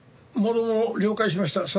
もろもろ了解しました。